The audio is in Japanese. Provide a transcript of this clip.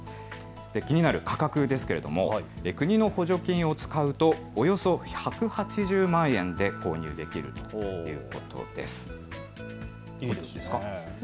気になる価格ですが国の補助金を使うとおよそ１８０万円で購入できるということです。